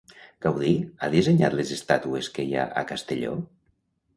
Gaudí ha dissenyat les estàtues que hi ha a Castelló?